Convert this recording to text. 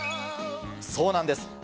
そうなんです。